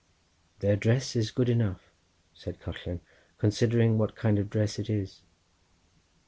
"Their dress is good enough," said Collen, "considering what kind of dress it is."